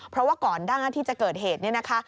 เพราะว่าก่อนหน้าที่จะเกิดเหตุเนี่ยนะคะ